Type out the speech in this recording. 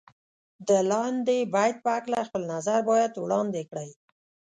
د لاندې بیت په هکله خپل نظر باید وړاندې کړئ.